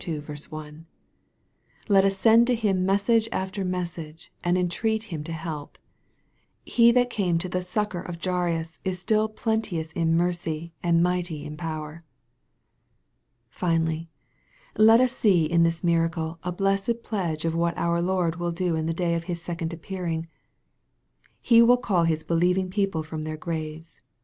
Let us send to Him message after message, and entreat Him to help. He that came to the succor of Jairus is still plenteous in mercy, and mighty in power. Finally, et us see in this miracle a blessed pledge of what our Lord will do in the day of His second appear ing. He will call His believing people from their graves.